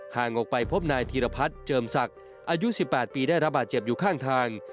ห่างออกไปพบนายธีรพัฒน์เจิมศักดิ์อายุ๑๘ปีได้รับบาดเจ็บอยู่ข้างทาง